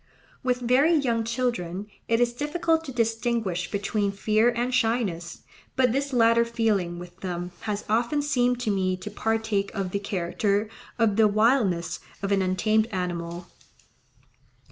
With very young children it is difficult to distinguish between fear and shyness; but this latter feeling with them has often seemed to me to partake of the character of the wildness of an untamed animal.